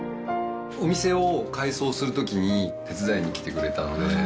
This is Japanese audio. お店を改装する時に手伝いに来てくれたので。